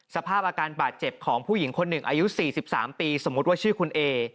สภาพอาการบาดเจ็บของผู้หญิงคนหนึ่งอายุ๔๓ปีสมมุติว่าชื่อคุณเอ